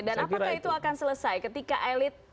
dan apakah itu akan selesai ketika elit